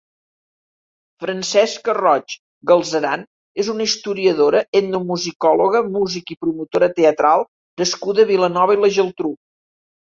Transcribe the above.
Francesca Roig Galceran és una historiadora, etnomusicòloga, músic i promotora teatral nascuda a Vilanova i la Geltrú.